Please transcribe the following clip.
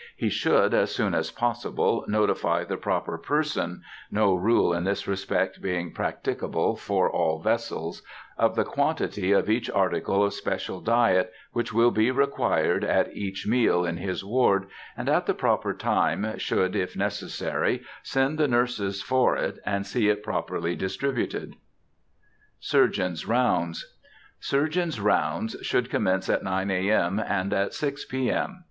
He should, as soon as possible, notify the proper person (no rule in this respect being practicable for all vessels) of the quantity of each article of special diet which will be required at each meal in his ward, and at the proper time should (if necessary) send the nurses for it, and see it properly distributed. SURGEONS' ROUNDS. Surgeons' rounds should commence at 9 A. M., and at 6 P. M.